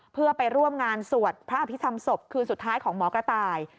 เพื่อไปร่วมงานสวดพระอภิษฐรรมศพคืนสุดท้ายของหมอกระต่าย